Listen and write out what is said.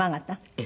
ええ。